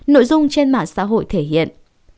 nội dung trên mạng xã hội thể hiện